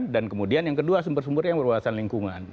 dan kemudian yang kedua sumber sumbernya yang perwasan lingkungan